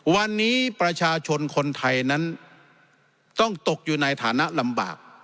วันนี้ประชาชนคนไทยนั้นต้องตกอยู่ในฐานะลำบาก